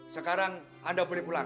sekarang anda boleh pulang